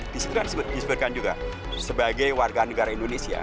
disitu kan disebutkan juga sebagai warga negara indonesia